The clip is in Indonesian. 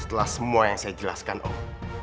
setelah semua yang saya jelaskan oh